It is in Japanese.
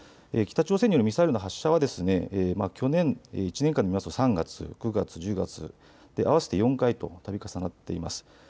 北朝鮮によるミサイルの発射は去年１年間で３月、９月、１０月、合わせて４回とたび重なっています。